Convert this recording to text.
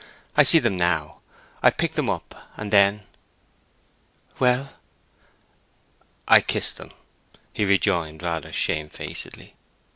I see them now! I picked them up, and then—" "Well?" "I kissed them," he rejoined, rather shamefacedly.